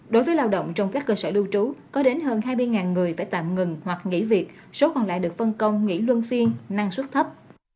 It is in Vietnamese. đối với lao động trong các cơ sở lưu trú có đến hơn hai mươi người phải tạm ngừng hoặc nghỉ việc số còn lại được phân công nghỉ luân phiên năng suất thấp